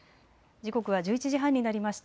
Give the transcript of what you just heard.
時刻は１１時半になりました。